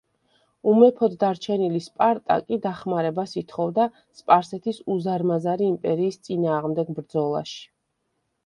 უმეფოდ დარჩენილი სპარტა კი დახმარებას ითხოვდა სპარსეთის უზარმაზარი იმპერიის წინააღმდეგ ბრძოლაში.